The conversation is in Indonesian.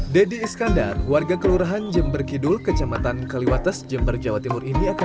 hai dedy iskandar warga kelurahan jember kidul kecamatan kaliwates jember jawa timur ini akan